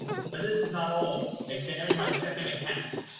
But this is not all. Examine my second account.